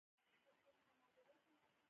نارې یا غاړې د پښتني فوکلور سپېڅلی شکل دی.